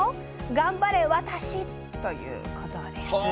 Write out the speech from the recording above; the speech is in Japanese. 頑張れ、私ということです。